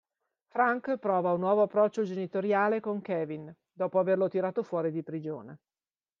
Frank prova un nuovo approccio genitoriale con Kevin, dopo averlo tirato fuori di prigione.